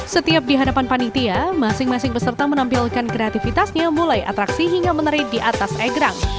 setiap di hadapan panitia masing masing peserta menampilkan kreativitasnya mulai atraksi hingga meneri di atas egrang